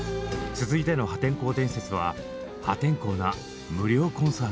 続いての破天荒伝説は「破天荒な無料コンサート」。